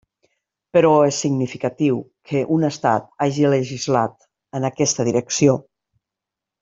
Però és significatiu que un estat hagi legislat en aquesta direcció.